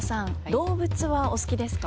動物はお好きですか？